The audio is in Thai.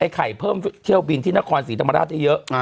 ไข่เพิ่มเที่ยวบินที่นครศรีธรรมราชได้เยอะ